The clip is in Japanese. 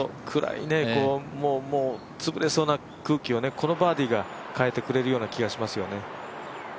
くらいね、潰れそうな空気をこのバーディーが変えてくれそうな気がしますよね。